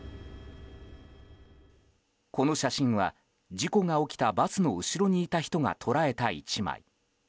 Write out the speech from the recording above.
この写真は、事故が起きたバスの後ろにいた人が捉えた１枚。